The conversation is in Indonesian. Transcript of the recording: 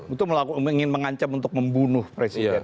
itu ingin mengancam untuk membunuh presiden